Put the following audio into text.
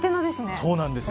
そうなんですよ。